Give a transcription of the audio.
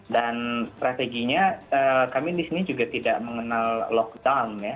strateginya kami di sini juga tidak mengenal lockdown ya